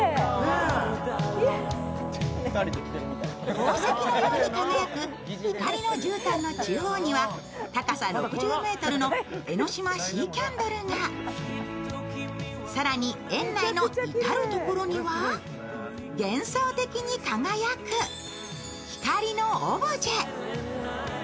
宝石のように輝く光のじゅうたんの中央には高さ６０ｍの江の島シーキャンドルが更に園内の至る所には幻想的に輝く光のオブジェ。